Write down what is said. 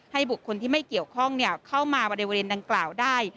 บุคคลที่ไม่เกี่ยวข้องเข้ามาบริเวณดังกล่าวได้